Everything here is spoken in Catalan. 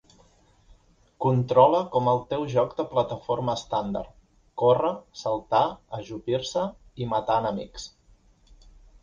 Controla com el teu joc de plataforma estàndard: córrer, saltar, ajupir-se i matar enemics.